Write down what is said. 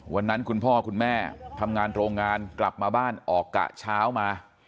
คุณพ่อคุณแม่ทำงานโรงงานกลับมาบ้านออกกะเช้ามา